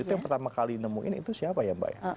itu yang pertama kali nemuin itu siapa ya mbak ya